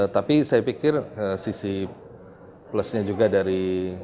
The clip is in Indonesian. tapi saya pikir sisi plusnya juga dari